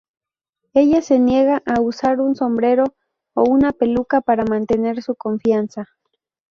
Ella se niega a usar un sombrero o una peluca para mantener su confianza.